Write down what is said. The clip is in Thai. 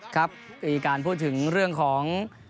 ครับก่อนพูดถึงเรื่องของ